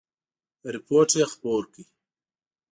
رپوټ خپور کړ.